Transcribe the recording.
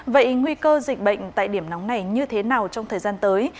vậy nguy cơ dịch bệnh tại điểm nóng này như thế nào trong thời gian tới